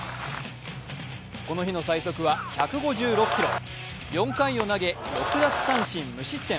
この日の最速は１５６キロ、４回を投げ６奪三振無失点。